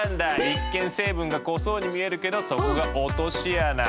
一見成分が濃そうに見えるけどそこが落とし穴。